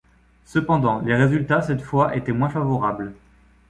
Cependant, les résultats cette fois étaient moins favorables.